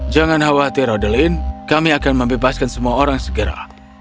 jangan khawatir odelin kami akan membebaskan semua orang segera